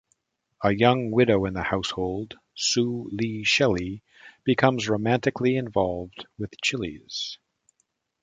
A young widow in the household, Sue Lee Shelley, becomes romantically involved with Chiles.